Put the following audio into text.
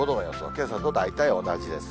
けさと大体同じです。